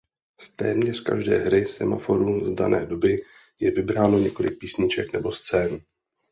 Z téměř každé hry Semaforu z dané doby je vybráno několik písniček nebo scén.